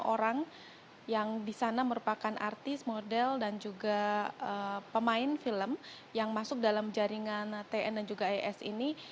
tiga orang yang di sana merupakan artis model dan juga pemain film yang masuk dalam jaringan tn dan juga es ini